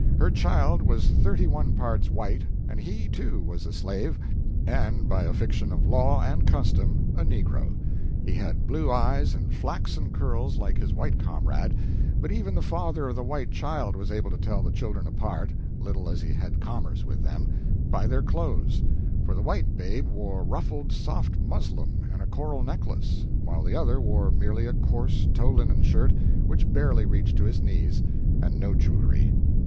Her child was thirty one parts white, and he, too, was a slave, and by a fiction of law and custom a negro. He had blue eyes and flaxen curls like his white comrade, but even the father of the white child was able to tell the children apart little as he had commerce with them by their clothes: for the white babe wore ruffled soft muslin and a coral necklace, while the other wore merely a coarse tow linen shirt which barely reached to its knees, and no jewelry.